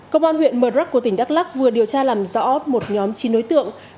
công an huyện mờ rắc của tỉnh đắk lắc vừa điều tra làm rõ một nhóm chín đối tượng